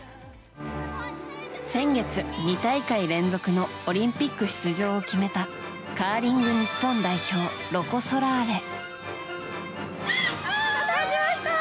先月、２大会連続のオリンピック出場を決めたカーリング日本代表ロコ・ソラーレ。